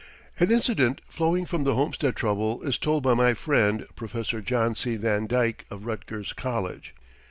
An incident flowing from the Homestead trouble is told by my friend, Professor John C. Van Dyke, of Rutgers College.